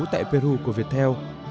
tại peru của viettel